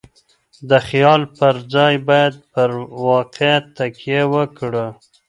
د خيال پر ځای بايد پر واقعيت تکيه وکړو.